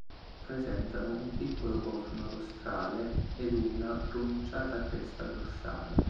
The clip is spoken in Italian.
Presentano un piccolo corno rostrale ed una pronunciata cresta dorsale.